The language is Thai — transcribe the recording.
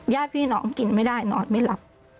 ญาติพี่น้องกินไม่ได้นอนไม่หลับ